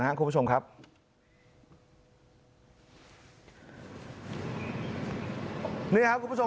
นี่ครับคุณผู้ชม